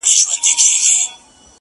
• که هر څو نجوني ږغېږي چي لونګ یم.